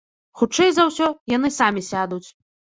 Хутчэй за ўсё, яны самі сядуць.